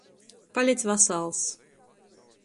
Palic vasals!